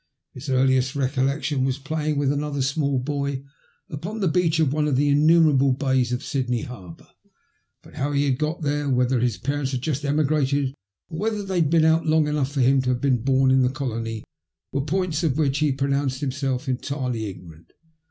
His earliest recollection was playing with another small boy upon the beach of one of the innxmierable bays of Sydney harbour ; but how he had got there, whether his parents had just emigrated, or whether they had been out long enough for him to have been bom in the colony were points of which he pronounced himself entirely ignorant.